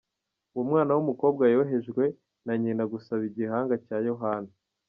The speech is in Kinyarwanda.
Uwo mwana w’umukobwa yohejwe na nyina gusaba igihanga cya Yohana.